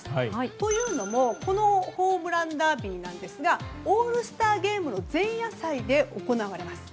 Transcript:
というのもこのホームランダービーですがオールスターゲームの前夜祭で行われます。